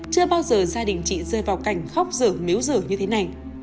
chưa bao giờ gia đình chị rơi vào cảnh khóc rở mếu rở như thế này